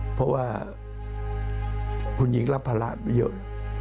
เพราะว่าคุณหญิงรับภาระไปเยอะ